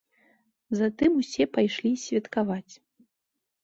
Затым усе пайшлі святкаваць.